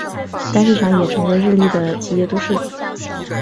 该市场也成为日立的的企业都市。